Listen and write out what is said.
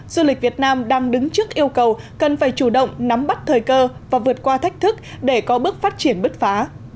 du lịch việt nam đang đứng trước yêu cầu cần phải chủ động nắm bắt thời cơ và vượt qua thách thức để có bước phát triển bứt phá